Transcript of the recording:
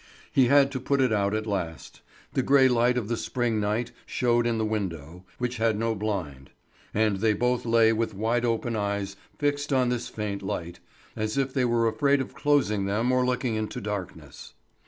He had to put it out at last. The grey light of the spring night showed in the window, which had no blind, and they both lay with wide open eyes fixed on this faint light, as if they were afraid of closing them or looking into darkness.